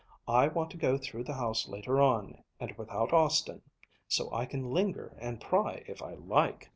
I want to go through the house later on, and without Austin, so I can linger and pry if I like!